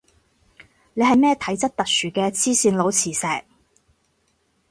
你係咩體質特殊嘅黐線佬磁石